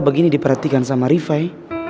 begini diperhatikan sama rifai